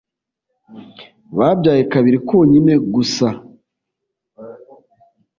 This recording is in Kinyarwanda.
babyaye kabiri konyine gusa.